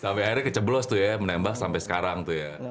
sampai akhirnya keceblos tuh ya menembak sampai sekarang tuh ya